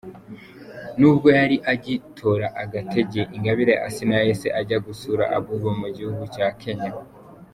Nubwo yari agitora agatege Ingabire Asinah yahise ajya gusura Abouba mu gihugu cya Kenya.